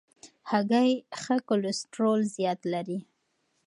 هګۍ ښه کلسترول زیات لري.